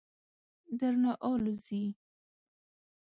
درنه آلوځي.